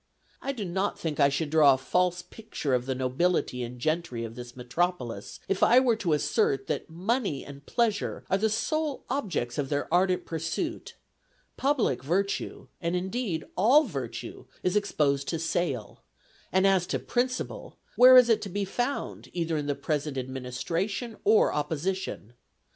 I do not think I should draw a false picture of the nobility and gentry of this metropolis, if I were to assert that money and pleasure are the sole objects of their ardent pursuit; public virtue, and, indeed, all virtue, is exposed to sale, and as to principle, where is it to be found, either in the present administration or opposition?